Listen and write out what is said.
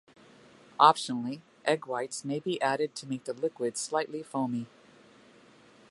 Optionally, egg-whites may be added to make the liquid slightly foamy.